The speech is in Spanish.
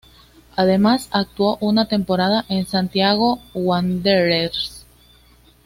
Además, actuó una temporada en Santiago Wanderers.